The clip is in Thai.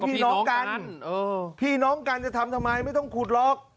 พี่น้องกันพี่น้องกันจะทำทำไมไม่ต้องขุดหรอก